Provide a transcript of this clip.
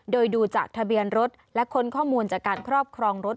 โดยดูจากทะเบียนรถและค้นข้อมูลจากการครอบครองรถ